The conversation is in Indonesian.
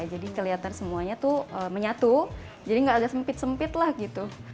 jadi kelihatan semuanya tuh menyatu jadi nggak ada sempit sempit lah gitu